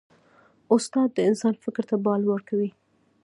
استاد د انسان فکر ته بال ورکوي.